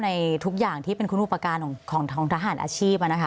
ในทุกอย่างที่เป็นคุณภูมิประการของทหารอาชีพนะคะ